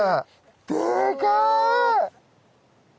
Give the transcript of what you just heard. でかい！